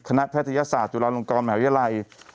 แพทยศาสตร์จุฬาลงกรมหาวิทยาลัย